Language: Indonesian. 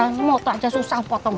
ini moto aja susah potong